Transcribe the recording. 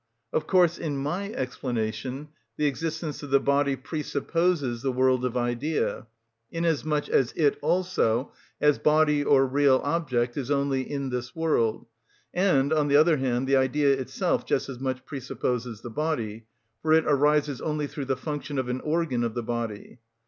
Of course, in my explanation, the existence of the body presupposes the world of idea; inasmuch as it also, as body or real object, is only in this world; and, on the other hand, the idea itself just as much presupposes the body, for it arises only through the function of an organ of the body.